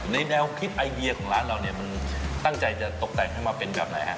แนวคิดไอเดียของร้านเราเนี่ยมันตั้งใจจะตกแต่งให้มาเป็นแบบไหนฮะ